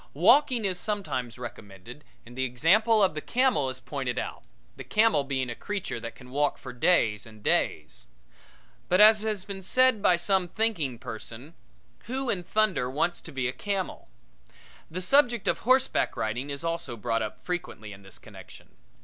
Walking is sometimes recommended and the example of the camel is pointed out, the camel being a creature that can walk for days and days. But, as has been said by some thinking person, who in thunder wants to be a camel? The subject of horseback riding is also brought up frequently in this connection.